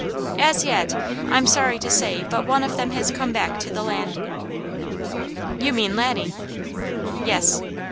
As yet I'm sorry to say but one of them has come back to the land." "You mean Laddie?" "Yes."